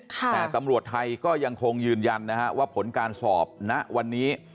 แต่ตำรวจไทยก็ยังคงยืนยันนะฮะว่าผลการสอบณวันนี้